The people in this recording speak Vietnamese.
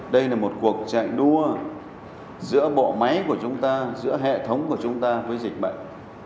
đây là một cuộc chạy đua giữa bộ máy của chúng ta giữa hệ thống của chúng ta với dịch bệnh